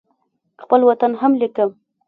خپل وطن هم لیکم.